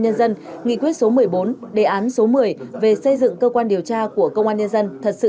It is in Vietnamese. nhân dân nghị quyết số một mươi bốn đề án số một mươi về xây dựng cơ quan điều tra của công an nhân dân thật sự